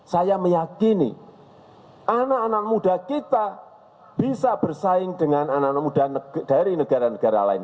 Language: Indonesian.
saya meyakini anak anak muda kita bisa bersaing dengan anak anak muda dari negara negara lain